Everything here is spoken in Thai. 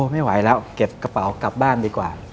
ไม่ไหวแล้วเก็บกระเป๋ากลับบ้านดีกว่า